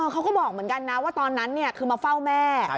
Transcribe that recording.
เขาก็บอกเหมือนกันนะว่าตอนนั้นคือมาเฝ้าแม่